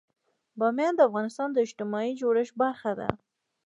بامیان د افغانستان د اجتماعي جوړښت برخه ده.